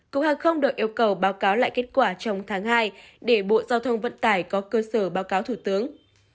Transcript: cục hàng không được yêu cầu báo cáo lại kết quả trong tháng hai để bộ giao thông vận tải có cơ sở báo cáo thủ tướng